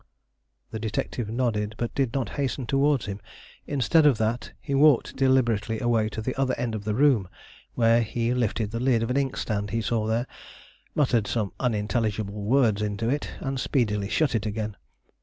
The detective nodded, but did not hasten towards him; instead of that, he walked deliberately away to the other end of the room, where he lifted the lid of an inkstand he saw there, muttered some unintelligible words into it, and speedily shut it again.